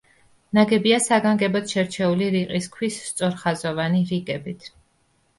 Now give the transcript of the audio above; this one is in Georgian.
ნაგებია საგანგებოდ შერჩეული რიყის ქვის სწორხაზოვანი რიგებით.